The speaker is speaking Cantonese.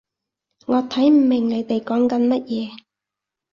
我睇唔明你哋講緊乜嘢